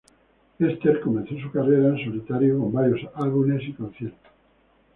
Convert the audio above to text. Esther comenzó su carrera en solitario con varios Álbumes y conciertos.